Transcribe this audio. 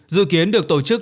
dự kiến được tổ chức